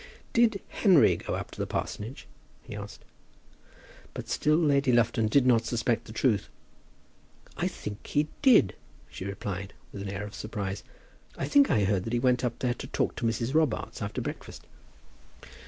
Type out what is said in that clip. "Did Henry go up to the parsonage?" he asked. But still Lady Lufton did not suspect the truth. "I think he did," she replied, with an air of surprise. "I think I heard that he went up there to call on Mrs. Robarts after breakfast."